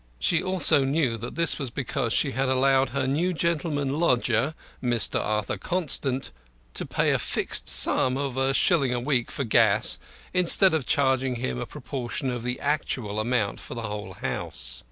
She also knew that this was because she had allowed her new gentleman lodger, Mr. Arthur Constant, to pay a fixed sum of a shilling a week for gas, instead of charging him a proportion of the actual account for the whole house.